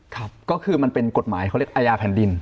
ครับก็คือมันเป็นกฎหมายเขาเรียกอาญาแผ่นดิน